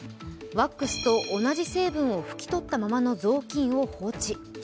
ワックスと同じ成分を拭き取ったままの雑巾を放置。